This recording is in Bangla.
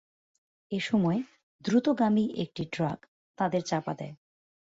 এ সময় দ্রুতগামী একটি ট্রাক তাঁদের চাপা দেয়।